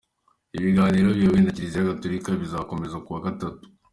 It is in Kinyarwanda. Ibiganiro biyobowe na Kiliziya Gatolika, bizakomeza ku wa Gatatu.